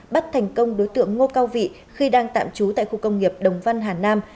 bắt thành công đối tượng ngô cao vị khi đang tạm trú tại khu công nghiệp đồng văn hà nam